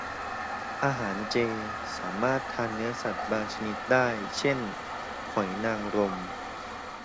อาหารเจ สามารถทานเนื้อสัตว์บางชนิดได้ เช่นหอยนางรม